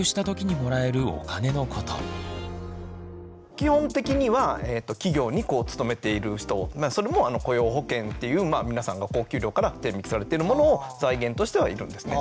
基本的には企業に勤めている人それも雇用保険っていう皆さんのお給料から天引きされてるものを財源としてはいるんですね。